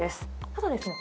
ただですね